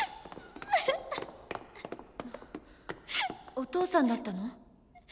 お父さんだったの？